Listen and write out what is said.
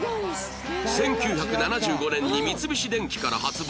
１９７５年に三菱電機から発売